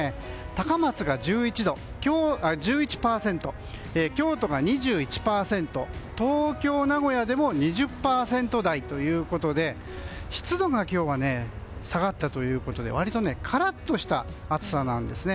高松が１１％、京都が２１％東京、名古屋でも２０％台ということで湿度が今日は下がったということで割とカラッとした暑さなんです。